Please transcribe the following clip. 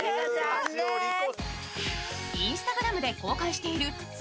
Ｉｎｓｔａｇｒａｍで公開しているド